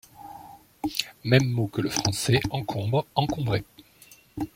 Même mot que le français encombre, encombrer.